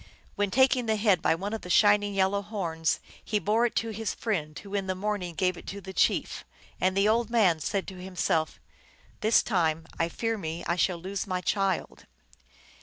Then taking the head by one of the shining yellow horns he bore it to his friend, who in the morning gave it to the chief. And the old man said to himself, " This time I fear me I shall lose my child."